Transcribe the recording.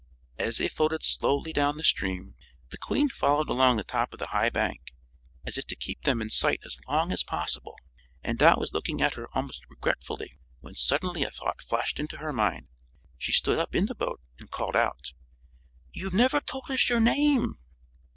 As they floated slowly down the stream the Queen followed along the top of the high bank, as if to keep them in sight as long as possible; and Dot was looking at her almost regretfully when suddenly a thought flashed into her mind. She stood up in the boat and called out: "You've never told us your name!"